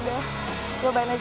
terus cobain aja